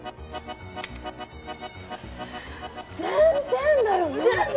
全然だよね？